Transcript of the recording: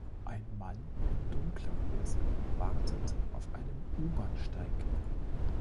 Ein Mann in dunkler Hose wartet auf einem U-Bahnsteig.